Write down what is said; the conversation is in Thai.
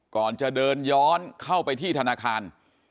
ก่อนจะเดินย้อนเข้าไปที่ธนาคาร